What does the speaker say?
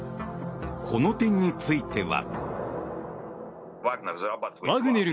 この点については。